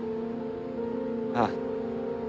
ああ。